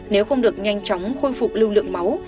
nếu không được nhanh chóng khôi phục lưu lượng máu